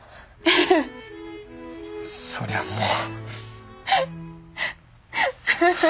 そりゃもう。